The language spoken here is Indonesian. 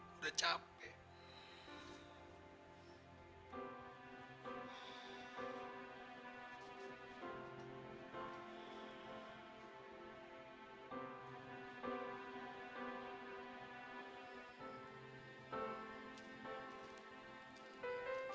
udah cabut ya